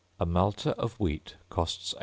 A malter of wheat costs 18s.